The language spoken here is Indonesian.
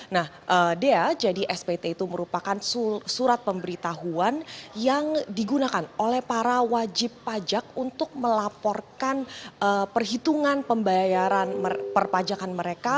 nah dea jadi spt itu merupakan surat pemberitahuan yang digunakan oleh para wajib pajak untuk melaporkan perhitungan pembayaran perpajakan mereka